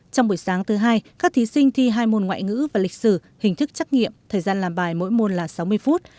trong buổi sáng thứ hai các thí sinh thi hai môn ngoại ngữ và lịch sử hình thức trắc nghiệm thời gian làm bài mỗi môn là sáu mươi phút